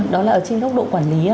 đó là ở trên góc độ quản lý